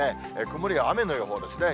曇りや雨の予報ですね。